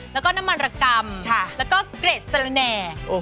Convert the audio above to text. แล้วก็น้ำมันระกำแล้วก็เกร็ดสละแหน่